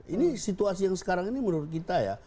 ini situasi yang sekarang ini menurut kita ya